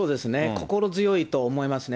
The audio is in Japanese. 心強いと思いますね。